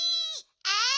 あい！